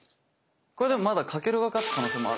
これでもまだ翔が勝つ可能性もある？